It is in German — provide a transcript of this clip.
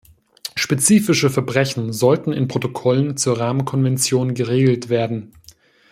Spezifische Verbrechen sollten in Protokollen zur Rahmenkonvention geregelt werden.